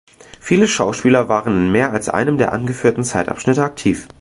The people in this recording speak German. Viele Schauspieler waren in mehr als einem der angeführten Zeitabschnitte aktiv.